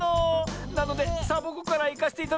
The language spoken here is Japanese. なのでサボ子からいかせていただくわ。